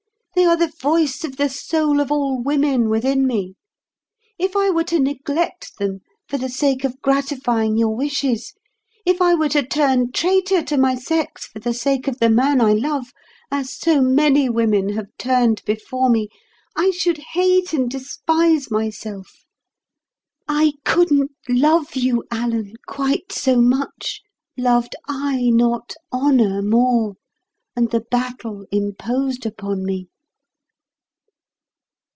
They are the voice of the soul of all women within me. If I were to neglect them for the sake of gratifying your wishes—if I were to turn traitor to my sex for the sake of the man I love, as so many women have turned before me, I should hate and despise myself. I couldn't love you, Alan, quite so much, loved I not honour more, and the battle imposed upon me."